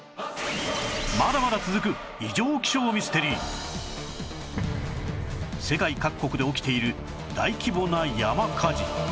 という事で世界各国で起きている大規模な山火事